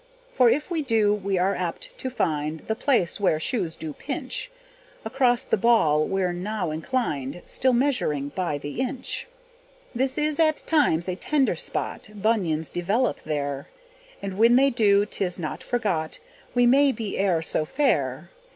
For if we do we are apt to find The place where shoes do pinch; Across the ball we're now inclined, Still measuring by the inch. This is at times a tender spot: Bunions develop there; And when they do 'tis not forgot, We may be e'er so fair.